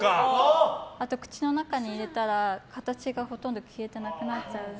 あと口の中に入れたら、形がほとんど消えてなくなっちゃう。